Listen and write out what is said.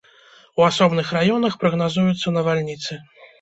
У асобных раёнах прагназуюцца навальніцы.